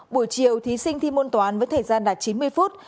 buổi chiều thí sinh thi môn toán với thời gian đạt chín mươi phút